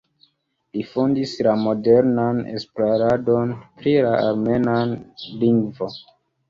Li fondis la modernan esploradon pri la armena lingvo.